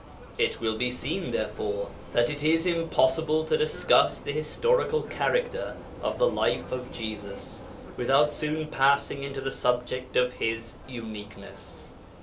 It will be seen, therefore, that it is impossible to discuss the historical character of the Life of Jesus without soon passing into the subject of His uniqueness.